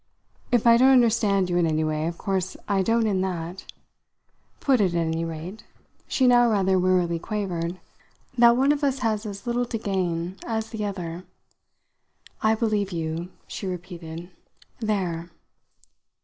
"If I don't understand you in any way, of course I don't in that. Put it, at any rate," she now rather wearily quavered, "that one of us has as little to gain as the other. I believe you," she repeated. "There!"